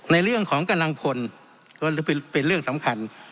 ในเรื่องของกำลังพลก็เป็นเรื่องสำคัญ